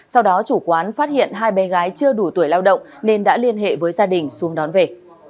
sau đó chủ quán phát hiện hai bé gái chưa đủ tuổi lao động nên đã liên hệ với gia đình xuống đón về